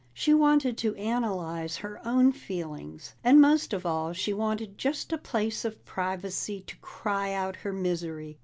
She wanted to analyze her own feelings, and most of all she wanted just a place of privacy to cry out her misery.